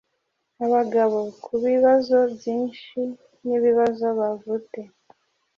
Abagabo kubibazo byinhi nibibazo bavute